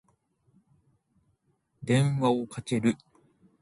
電話をかける。